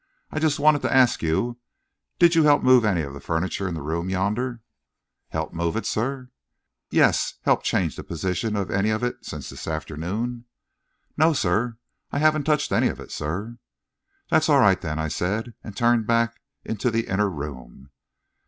I just wanted to ask you did you help move any of the furniture in the room yonder?" "Help move it, sir?" "Yes help change the position of any of it since this afternoon?" "No, sir; I haven't touched any of it, sir." "That's all right, then," I said, and turned back into the inner room.